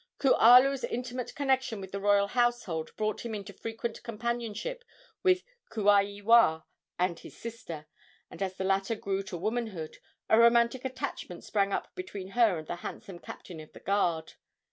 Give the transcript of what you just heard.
Kualu's intimate connection with the royal household brought him into frequent companionship with Kuaiwa and his sister, and as the latter grew to womanhood a romantic attachment sprang up between her and the handsome captain of the guard.